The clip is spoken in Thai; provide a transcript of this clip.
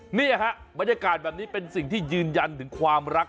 เนี่ยฮะบรรยากาศแบบนี้เป็นสิ่งที่ยืนยันถึงความรัก